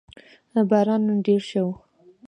باران نن ډېر وشو